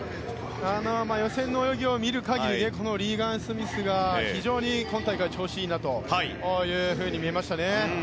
予選の泳ぎを見る限りリーガン・スミスが非常に今大会調子いいなというふうに見えました。